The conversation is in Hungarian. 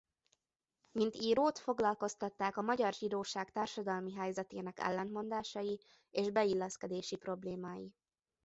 Mint írót foglalkoztatták a magyar zsidóság társadalmi helyzetének ellentmondásai és beilleszkedési problémái.